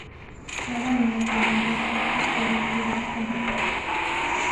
Cada una tiene un refuerzo exterior de dos contrafuertes.